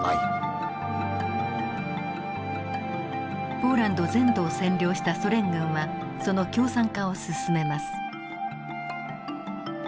ポーランド全土を占領したソ連軍はその共産化を進めます。